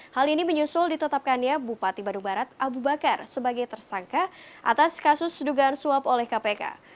hal ini menyusul ditetapkannya bupati bandung barat abu bakar sebagai tersangka atas kasus sedugaan suap oleh kpk